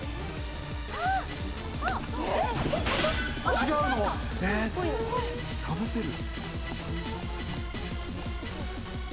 違うの⁉えっかぶせる。